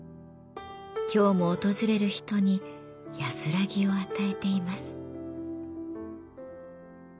今日も訪れる人に安らぎを与えています。